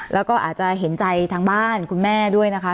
แล้วก็อาจจะเห็นใจทางบ้านคุณแม่ด้วยนะคะ